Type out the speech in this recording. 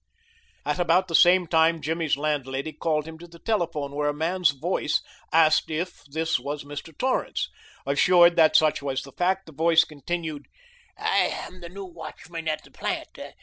At about the same time Jimmy's landlady called him to the telephone, where a man's voice asked if "this was Mr. Torrance?" Assured that such was the fact, the voice continued: "I am the new watchman at the plant.